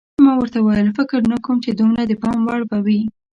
ما ورته وویل: فکر نه کوم چې دومره د پام وړ به وي.